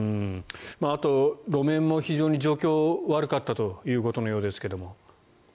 あと、路面も非常に状況が悪かったということのようですが。